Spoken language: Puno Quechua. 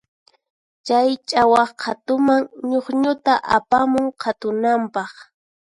Chay ch'awaq qhatuman ñukñuta apamun qhatunanpaq.